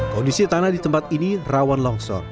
kondisi tanah di tempat ini rawan longsor